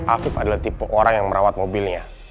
afif adalah tipe orang yang merawat mobilnya